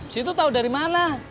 situ tau dari mana